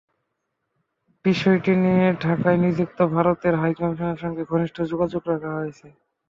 বিষয়টি নিয়ে ঢাকায় নিযুক্ত ভারতের হাইকমিশনের সঙ্গে ঘনিষ্ঠ যোগাযোগ রাখা হয়েছে।